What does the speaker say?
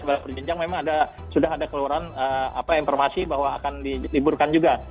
berjenjang memang sudah ada keluaran informasi bahwa akan diliburkan juga